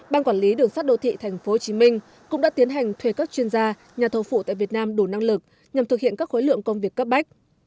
ban quản lý đường sắt đô thị tp hcm cũng đã tiến hành thuê các chuyên gia nhà thầu phụ tại việt nam đủ năng lực nhằm thực hiện các khối lượng công việc cấp bách